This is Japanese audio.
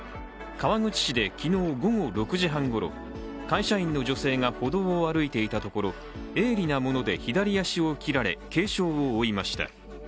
川口市で昨日午後６時半ごろ会社員の女性が歩道を歩いていたところ鋭利なもので左足を切られ軽傷を負いました。